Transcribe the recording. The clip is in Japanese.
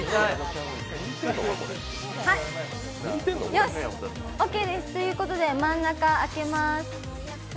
よし、オッケーです、ということで真ん中空けます。